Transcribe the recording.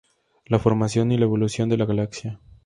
La formación y la evolución de la galaxia.